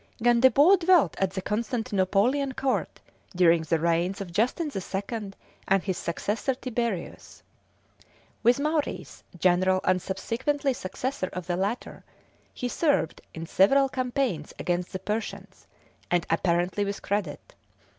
Gondebaud dwelt at the Constantinopolitan court during the reigns of Justin the Second and his successor Tiberius. With Maurice, general and subsequently successor of the latter, he served in several campaigns against the Persians, and apparently with credit.